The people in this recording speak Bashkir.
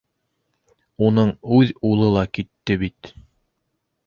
Уның үҙ улы ла китте бит.